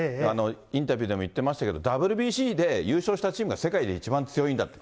インタビューでも言ってましたけど、ＷＢＣで優勝したチームが世界で一番強いんだと。